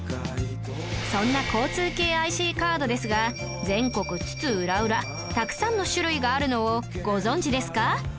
そんな交通系 ＩＣ カードですが全国津々浦々たくさんの種類があるのをご存じですか？